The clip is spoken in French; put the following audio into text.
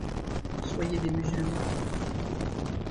Soyez des musulmans.